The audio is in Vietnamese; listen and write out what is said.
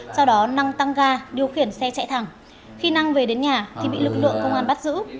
sau đó năng tăng ga điều khiển xe chạy thẳng khi năng về đến nhà thì bị lực lượng công an bắt giữ